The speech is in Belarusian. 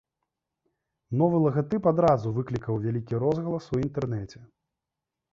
Новы лагатып адразу выклікаў вялікі розгалас у інтэрнэце.